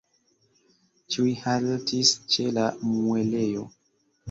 Ĉiuj haltis ĉe la muelejo.